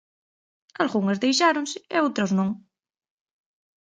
Algunhas deixáronse e outras non.